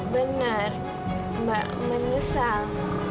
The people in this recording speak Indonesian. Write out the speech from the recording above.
bener mbak menyesal